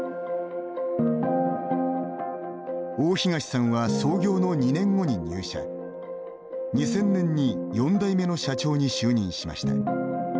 大東さんは、創業の２年後に入社２０００年に４代目の社長に就任しました。